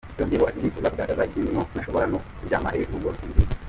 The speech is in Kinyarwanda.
Yongeyeho ati "Ndifuza kugaragaza ikindimo ntashobora no kuryama hejuru ngo nsinzire.